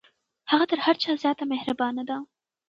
هغه تر هر چا زیاته مهربانه ده.